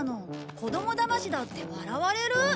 子供だましだって笑われる！